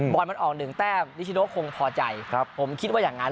บอลมันออกหนึ่งแต้มนิชโนคงพอใจผมคิดว่าอย่างนั้น